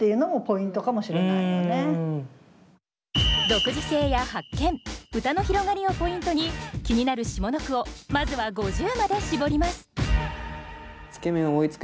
独自性や発見歌の広がりをポイントに気になる下の句をまずは５０まで絞ります